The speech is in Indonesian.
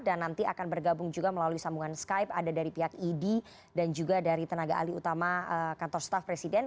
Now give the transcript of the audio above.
dan nanti akan bergabung juga melalui sambungan skype ada dari pihak idi dan juga dari tenaga ahli utama kantor staff presiden